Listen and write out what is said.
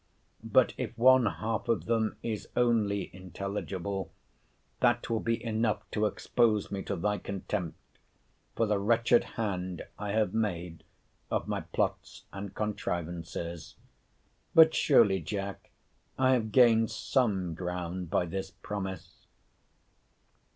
But if one half of them is only intelligible, that will be enough to expose me to thy contempt, for the wretched hand I have made of my plots and contrivances.—But surely, Jack, I have gained some ground by this promise.